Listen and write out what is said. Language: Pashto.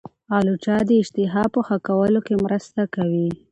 الوچه د اشتها په ښه کولو کې مرسته کوي.